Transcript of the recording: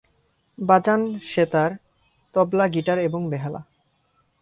বাজান সেতার, তবলা, গিটার এবং বেহালা।